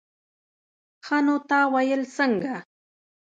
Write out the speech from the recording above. ښه نو تا ويل څنگه.